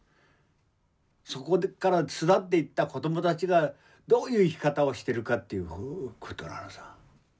そこから巣立っていった子どもたちがどういう生き方をしてるかということなのさ。